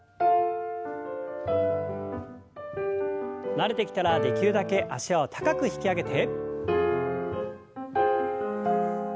慣れてきたらできるだけ脚を高く引き上げて。